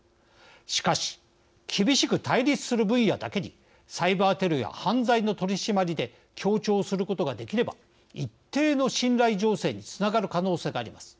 しかし厳しく対立する分野だけにサイバーテロや犯罪の取締りで協調することができれば一定の信頼醸成につながる可能性があります。